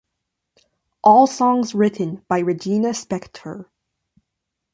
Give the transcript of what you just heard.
All songs written by Regina Spektor.